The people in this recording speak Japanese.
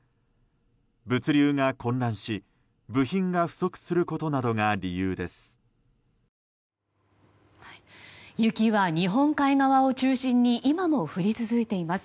物流が混乱し、部品が不足することなどが理由です。